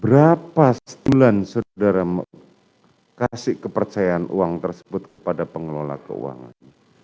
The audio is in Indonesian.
berapa sebulan saudara kasih kepercayaan uang tersebut kepada pengelola keuangan